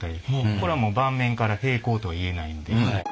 これはもう盤面から平行とは言えないんで。